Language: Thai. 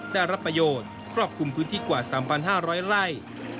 ได้รับประโยชน์ครอบคลุมพื้นที่กว่า๓๕๐๐ไร่